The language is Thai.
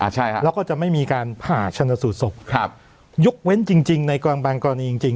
ใช่ครับแล้วก็จะไม่มีการผ่าชนสูตรศพครับยกเว้นจริงจริงในบางกรณีจริงจริง